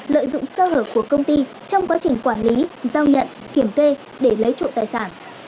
lợi dụng sơ hở của công ty trong quá trình quản lý giao nhận kiểm kê để lấy trộm tài sản